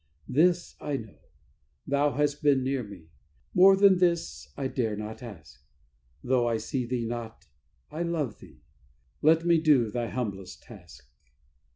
"This I know: Thou hast been near me: more than this I dare not ask. Though I see Thee not, I love Thee. Let me do Thy humblest task!"